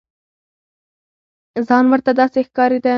ځان ورته داسې ښکارېده.